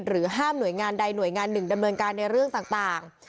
ห้ามหน่วยงานใดหน่วยงานหนึ่งดำเนินการในเรื่องต่าง